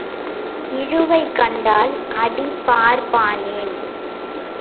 இழுவை கண்டால் அடி பார்ப்பானேன்?